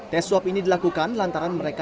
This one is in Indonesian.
tes swab ini dilakukan lantaran mereka